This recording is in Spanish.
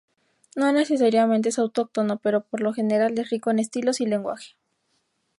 No necesariamente es autóctono pero por lo general es rico en estilos y lenguaje.